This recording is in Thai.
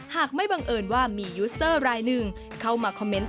หากไม่บังเอิญว่ามียูสเซอร์รายหนึ่งเข้ามาคอมเมนต์